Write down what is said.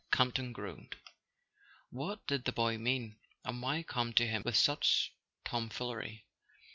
Campton groaned. What did the boy mean, and why come to him with such tomfoolery?